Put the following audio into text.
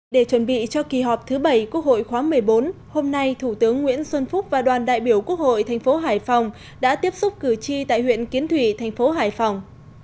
để chuẩn bị cho kỳ họp thứ bảy quốc hội khóa một mươi bốn hôm nay thủ tướng nguyễn xuân phúc và đoàn đại biểu quốc hội thành phố hải phòng đã tiếp xúc cử tri tại huyện kiến thủy thành phố hải phòng